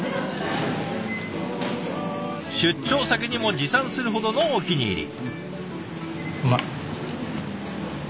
出張先にも持参するほどのお気に入り。